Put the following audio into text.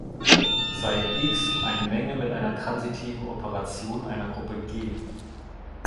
Sei "X" eine Menge mit einer transitiven Operation einer Gruppe "G".